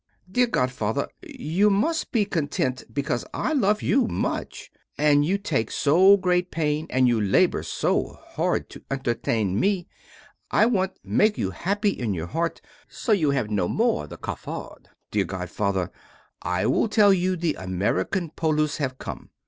Dear godfather, you must be content because I love you much. And you take so much pain and you labor so hard to entertain me, I want make you happy in your heart so you have no more the "cafard." Dear godfather, I will tell you the American Poilus have come.